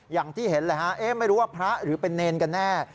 อย่างที่เห็นเลยฮะไม่รู้ว่าพระหรือเป็นเนรกันแน่